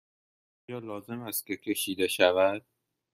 آیا لازم است که کشیده شود؟